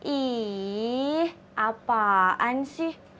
ih apaan sih